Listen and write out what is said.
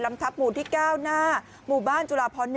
ทับหมู่ที่๙หน้าหมู่บ้านจุฬาพร๑